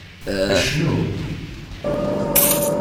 Cnu!